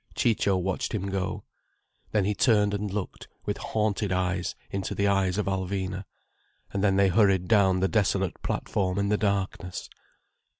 Ciccio watched him go. Then he turned and looked with haunted eyes into the eyes of Alvina. And then they hurried down the desolate platform in the darkness.